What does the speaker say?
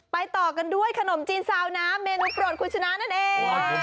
ต่อกันด้วยขนมจีนซาวน้ำเมนูโปรดคุณชนะนั่นเอง